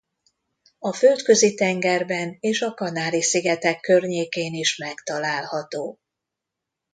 A Földközi-tengerben és a Kanári-szigetek környékén is megtalálható.